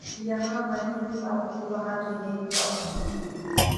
یہاں مرنے کی پابندی وہاں جینے کی پابندی